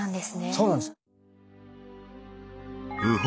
そうなんです。